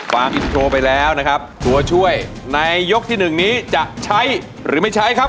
ฟังอินโทรไปแล้วนะครับตัวช่วยในยกที่๑นี้จะใช้หรือไม่ใช้ครับ